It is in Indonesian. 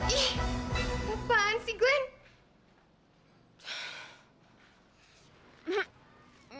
ih apaan sih glenn